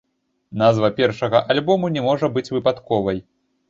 Назва першага альбому не можа быць выпадковай.